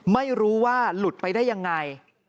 ไม่รู้ว่าหลุดไปได้ยังไง